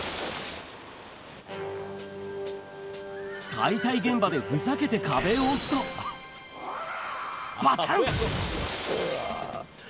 解体現場でふざけて壁を押すといや。